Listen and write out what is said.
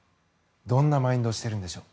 どんなマインドしてるんでしょう。